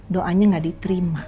doanya gak diterima